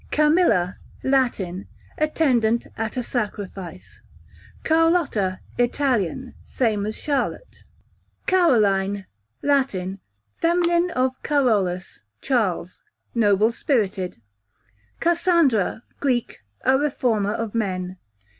Camilla, Latin, attendant at a sacrifice. Carlotta, Italian, same as Charlotte, q.v. Caroline, feminine of Carolus, the Latin of Charles, noble spirited. Cassandra, Greek, a reformer of men.